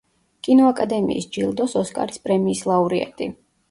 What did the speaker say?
კინოაკადემიის ჯილდოს ოსკარის პრემიის ლაურეატი.